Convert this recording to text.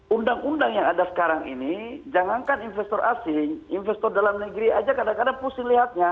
undang undang yang ada sekarang ini jangankan investor asing investor dalam negeri aja kadang kadang pusing lihatnya